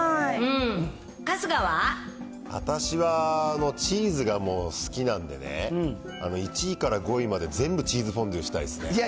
私はチーズがもう好きなんでね、１位から５位まで、全部チーズフォンデュしたいですね。